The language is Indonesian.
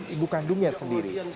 ibu kandungnya sendiri